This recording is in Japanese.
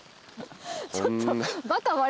ちょっと。